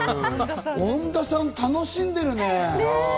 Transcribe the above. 恩田さん、楽しんでるね。